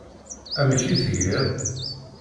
Amek i tgiḍ?